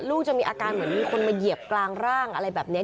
จะมีอาการเหมือนมีคนมาเหยียบกลางร่างอะไรแบบนี้